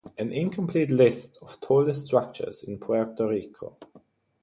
An incomplete lists of tallest structures in Puerto Rico.